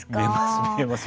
見えます。